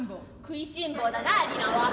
「食いしん坊だなリナは」。